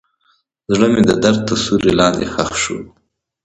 زړه مې د درد تر سیوري لاندې ښخ شو.